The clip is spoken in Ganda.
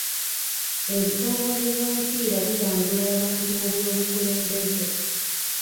Ebitongole by'omupiira bibangula abantu mu by'obukulembeze.